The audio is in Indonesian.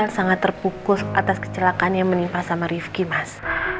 el sangat terpukul atas kecelakaan yang menimpa sama rifqi mas